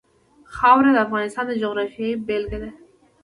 خاوره د افغانستان د جغرافیې بېلګه ده.